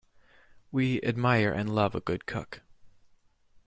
We admire and love a good cook.